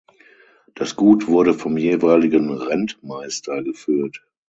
Das Gut wurde vom jeweiligen Rentmeister geführt.